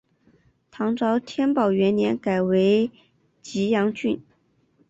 唐朝天宝元年改为济阳郡。